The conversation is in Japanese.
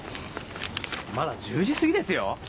まだ１０時過ぎですよ。